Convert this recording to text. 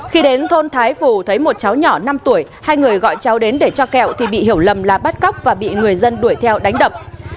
khi đến thôn thái phù thấy một cháu nhỏ năm tuổi hai người gọi cháu đến để cho kẹo thì bị hiểu lầm là bắt cóc và bị người dân đuổi theo đánh đập